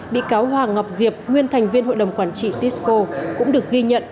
bị cáo hoàng ngọc diệp nguyên thành viên hội đồng quản trị tisco cũng được ghi nhận